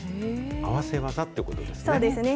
合わせ技っていうことですね。